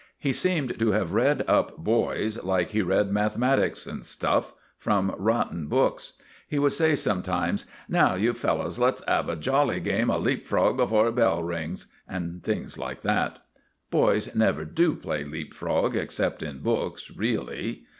He seemed to have read up boys like he read mathematics and stuff from rotten books. He would say sometimes, "Now, you fellows, let's 'ave a jolly game of leap frog before the bell rings," and things like that. Boys never do play leap frog except in books really.